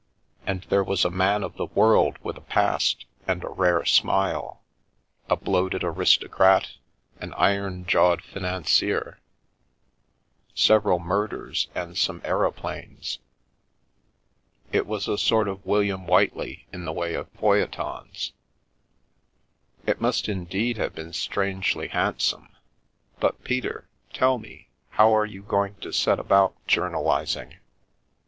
And there was a man of the world with a past, and a rare smile; a bloated aristocrat, an iron 106 We Increase and Multiply jawed financier, several murders and some aeroplanes. It was a sort of William Whiteley in the way of feuille tons." " It must indeed have been strangely handsome. But, Peter, tell me — how are you going to set about journal ising?